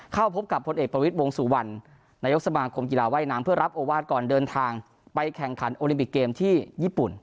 เข้าพบกับพลเอกประวิทย์วงสุวรรณนายกสมาคมกีฬาว่ายน้ำเพื่อรับโอวาสก่อนเดินทางไปแข่งขันโอลิมปิกเกมที่ญี่ปุ่น